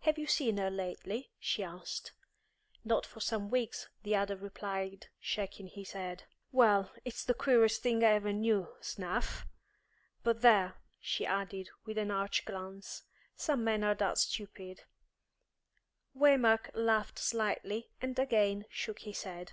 "Have you seen her lately?" she asked. "Not for some weeks," the other replied, shaking his head. "Well, it's the queerest thing I ever knew, s'nough! But, there," she added, with an arch glance, "some men are that stupid " Waymark laughed slightly, and again shook his head.